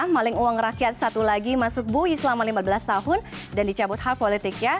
maling uang rakyat satu lagi masuk bui selama lima belas tahun dan dicabut hak politiknya